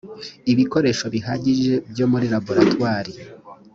ibikoresho bihagije byo muri laboratwari